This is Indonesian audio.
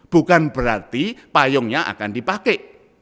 bukan berarti payungnya akan dipakai